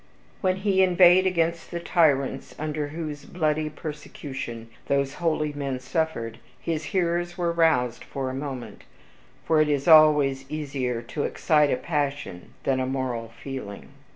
When he inveighed against the tyrants under whose bloody persecution those holy men suffered, his hearers were roused for a moment, for it is always easier to excite a passion than a moral feeling.